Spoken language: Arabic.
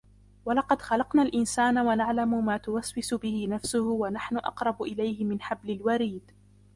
وَلَقَدْ خَلَقْنَا الْإِنْسَانَ وَنَعْلَمُ مَا تُوَسْوِسُ بِهِ نَفْسُهُ وَنَحْنُ أَقْرَبُ إِلَيْهِ مِنْ حَبْلِ الْوَرِيدِ